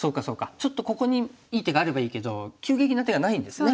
ちょっとここにいい手があればいいけど急激な手がないんですね。